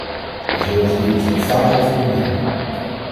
We zullen het hier dus nog vaak over kunnen hebben.